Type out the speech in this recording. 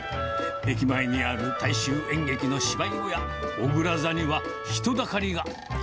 駅前にある大衆演劇の芝居小屋、おぐら座には人だかりが。